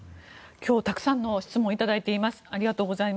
今日、たくさんの質問をいただいています。